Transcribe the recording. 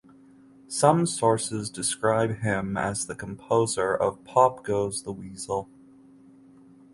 Some sources describe him as the composer of "Pop Goes the Weasel".